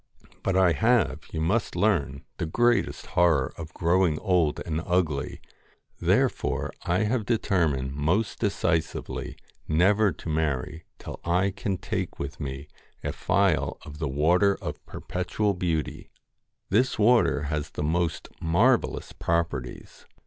But I have, you 178 must learn, the greatest horror of growing old and THE FAIR ugly, therefore I have determined most decisively ^Jrrw never to marry till I can take with me a phial of GO LDEN the Water of Perpetual Beauty. This water has LOCKS the most marvellous properties.